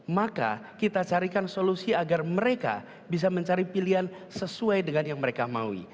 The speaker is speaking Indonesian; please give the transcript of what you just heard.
maka kita carikan solusi agar mereka bisa mencari pilihan sesuai dengan yang mereka maui